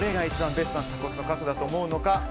ベストな鎖骨の角度だと思うのか。